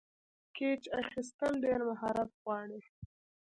کېچ اخیستل ډېر مهارت غواړي.